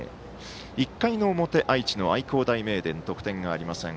１回の表愛知、愛工大名電得点がありません。